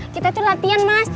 kita tuh latihan mas